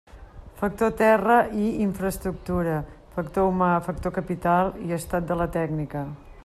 Factor terra i infraestructura, factor humà, factor capital i estat de la tècnica.